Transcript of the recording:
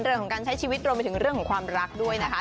เรื่องของการใช้ชีวิตรวมไปถึงเรื่องของความรักด้วยนะคะ